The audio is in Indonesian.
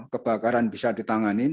kebakaran bisa ditanganin